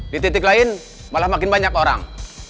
di titik lain malah makin banyak orang